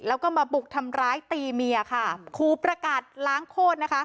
แล้วก็มาบุกทำร้ายตีเมียค่ะครูประกาศล้างโคตรนะคะ